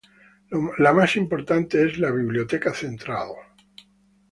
La más importante es la Biblioteca Central.